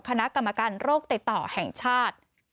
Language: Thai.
คณะกรรมการโรคติดต่อแห่งชาติ